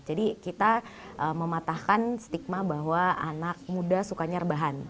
jadi kita mematahkan stigma bahwa anak muda suka nyarbahan